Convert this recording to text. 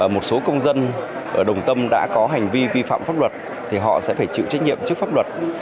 một số công dân ở đồng tâm đã có hành vi vi phạm pháp luật thì họ sẽ phải chịu trách nhiệm trước pháp luật